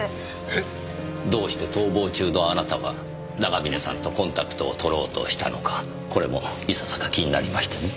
えっ？どうして逃亡中のあなたが長峰さんとコンタクトを取ろうとしたのかこれもいささか気になりましてね。